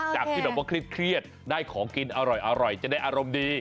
จากที่แบบว่าเครียดได้ของกินอร่อยจะได้อารมณ์ดี